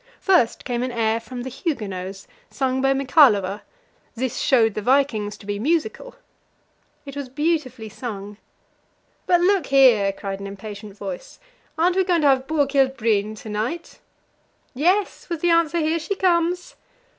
First came an air from "The Huguenots," sung by Michalowa; this showed the vikings to be musical. It was beautifully sung. "But look here," cried an impatient voice: "aren't we going to have Borghild Bryhn to night?" "Yes," was the answer; "here she comes."